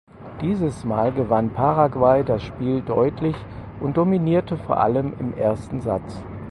Dieses mal gewann Paraguay das Spiel deutlich und dominierte vor allem im ersten Satz.